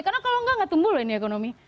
karena kalau nggak nggak tumbuh loh ini ekonomi